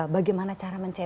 bagaimana cara mencari